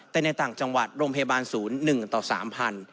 แต่ในต่างจังหวัดโรงพยาบาลศูนย์๑ต่อ๓๐๐